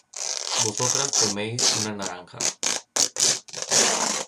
vosotras coméis una naranja